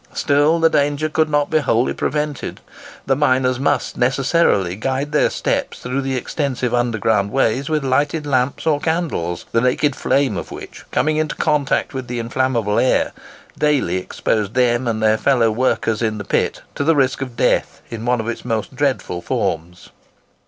Still the danger could not be wholly prevented. The miners must necessarily guide their steps through the extensive underground ways with lighted lamps or candles, the naked flame of which, coming in contact with the inflammable air, daily exposed them and their fellow workers in the pit to the risk of death in one of its most dreadful forms.